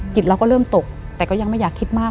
จิตเราก็เริ่มตกแต่ก็ยังไม่อยากคิดมาก